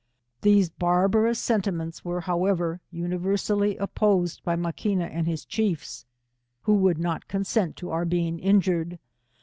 These barbarous sentiments were, however, universally opposed by Maquina and his chiefs, who would not consent to our being injured.